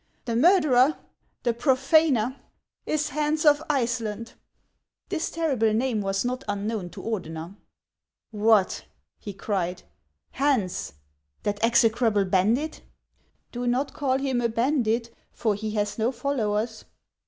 " The murderer, the profaner, is Hans of Iceland." This terrible name was not unknown to Ordener. " What !" he cried, " Hans ! that execrable bandit !"" Do not call him a bandit, for he has no followers."